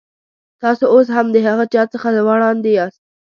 تاسو اوس هم د هغه چا څخه وړاندې یاست.